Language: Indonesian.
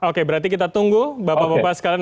oke berarti kita tunggu bapak bapak sekarang